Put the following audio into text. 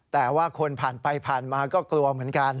แต่ว่าคนผ่านไปผ่านมาก็กลัวเหมือนกัน